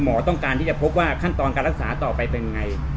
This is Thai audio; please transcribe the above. ต้องการที่จะพบว่าขั้นตอนการรักษาต่อไปเป็นไง